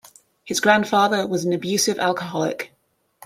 His grandfather was an abusive alcoholic.